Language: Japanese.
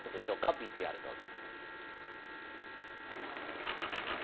ＶＴＲ、どうぞ。